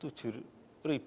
kita masih rp tujuh